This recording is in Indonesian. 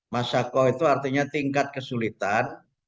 masyakoh itu artinya tingkat kesulitan